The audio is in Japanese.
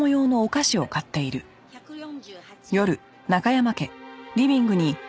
１４８円。